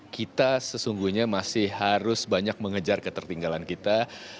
kita sesungguhnya masih harus banyak mengejar ketertinggalan kita